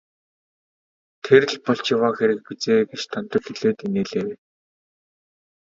Тэр л болж яваа хэрэг биз ээ гэж Дондог хэлээд инээлээ.